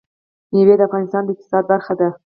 مېوې د افغانستان د اقتصاد برخه ده.